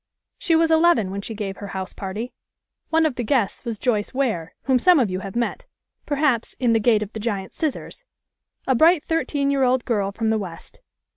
She was eleven when she gave her house party. One of the guests was Joyce Ware, whom some of you have met, perhaps, in "The Gate of the Giant Scissors," a bright thirteen year old girl from the West.